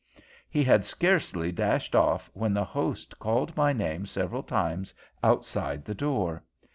"He had scarcely dashed off when the host called my name several times outside the door.